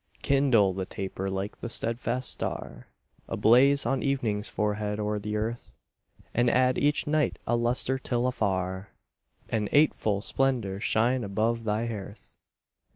Kindle the taper like the steadfast star Ablaze on evening's forehead o'er the earth, And add each night a lustre till afar An eightfold splendor shine above thy hearth.